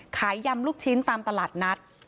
ยำลูกชิ้นตามตลาดนัด